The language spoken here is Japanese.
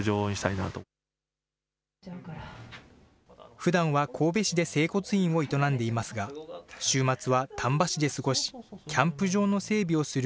ふだんは神戸市で整骨院を営んでいますが、週末は丹波市で過ごし、キャンプ場の整備をする